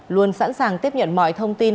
luôn sẵn sàng tiếp nhận mọi thông tin